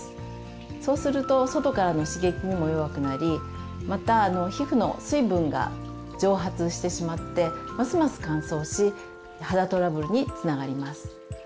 そうすると外からの刺激にも弱くなりまた皮膚の水分が蒸発してしまってますます乾燥し肌トラブルにつながります。